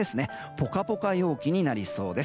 ポカポカ陽気になりそうです。